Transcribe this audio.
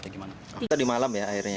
kita di malam ya airnya